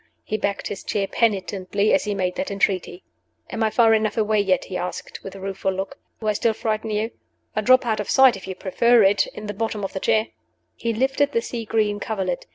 He backed his chair penitently as he made that entreaty. "Am I far enough away yet?" he asked, with a rueful look. "Do I still frighten you? I'll drop out of sight, if you prefer it, in the bottom of the chair." He lifted the sea green coverlet.